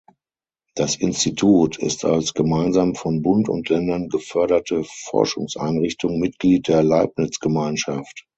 Das Institut ist als gemeinsam von Bund und Ländern geförderte Forschungseinrichtung Mitglied der Leibniz-Gemeinschaft.